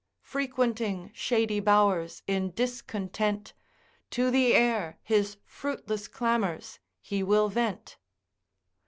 Frequenting shady bowers in discontent, To the air his fruitless clamours he will vent.